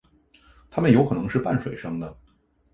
它们有可能是半水生的。